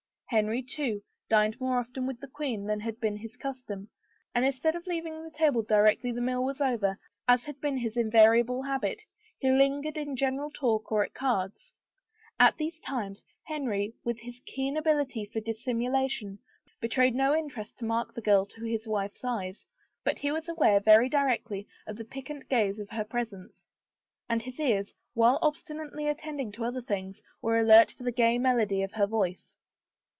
Henry, too, dined more often with the queen than had been his cus tom, and, instead of leaving the table directly the meal was over as had been his invariable habit, he lingered in general talk or at cards. At these times, Henry, with his keen ability for dissimulation, betrayed no interest to mark the girl to his wife's eyes, but he was aware very distinctly of the piquant grace of her presence, and his ears, while ostensibly attending to other things, were alert for the gay melody of her voice.